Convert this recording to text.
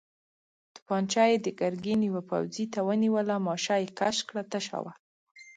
توپانجه يې د ګرګين يوه پوځي ته ونيوله، ماشه يې کش کړه، تشه وه.